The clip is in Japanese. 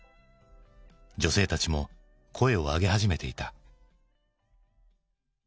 女性たちも声を上げ始めていた。